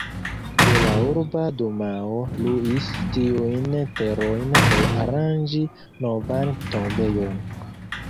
Do la Urba Dumao luis tiujn terojn por aranĝi novan tombejon.